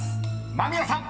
間宮さん］